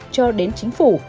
cho đến chính phủ